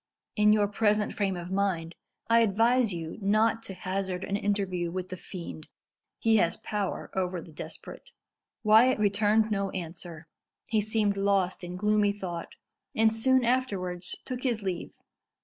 In your present frame of mind I advise you not to hazard an interview with the fiend. He has power over the desperate." Wyat returned no answer. He seemed lost in gloomy thought, and soon afterwards took his leave.